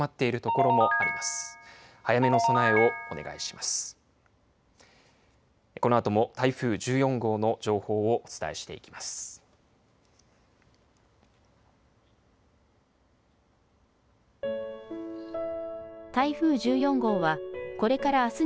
このあとも台風１４号の情報をお伝えしていきます。